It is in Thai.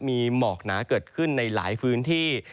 มีหมอกหนาเกิดขึ้นในหลายพื้นที่